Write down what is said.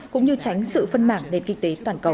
cũng như tránh sự phân mảng nền kinh tế toàn cầu